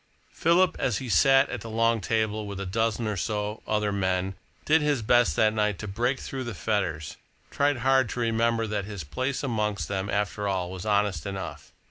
Philip, as he sat at the long table with a dozen or so other men, did his best that night to break through the fetters, tried hard to remember that his place amongst them, after all, was honest enough.